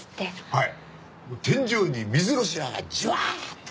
はい。